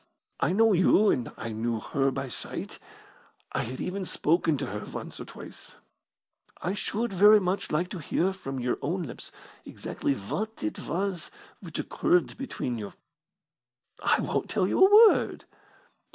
I know you, and I knew her by sight I had even spoken to her once or twice. I should very much like to hear from your own lips exactly what it was which occurred between you." "I won't tell you a word."